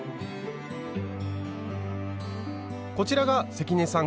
こちらが関根さん